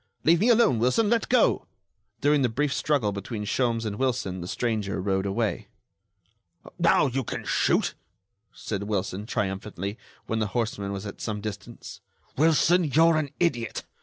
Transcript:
"Leave me alone, Wilson! Let go!" During the brief struggle between Sholmes and Wilson the stranger rode away. "Now, you can shoot," said Wilson, triumphantly, when the horseman was at some distance. "Wilson, you're an idiot!